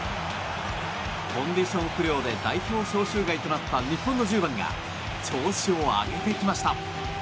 コンディション不良で代表招集外となった日本の１０番が調子を上げてきました。